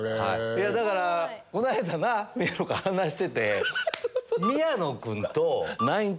だからこの間な宮野君話してて。